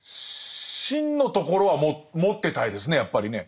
芯のところは持ってたいですねやっぱりね。